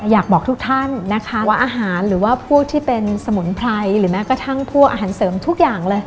อยากบอกทุกท่านนะคะว่าอาหารหรือว่าพวกที่เป็นสมุนไพรหรือแม้กระทั่งพวกอาหารเสริมทุกอย่างเลย